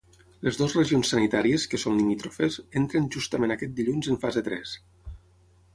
Les dues regions sanitàries, que són limítrofes, entren justament aquest dilluns en fase tres.